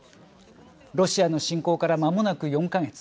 ロシアの侵攻からまもなく４か月。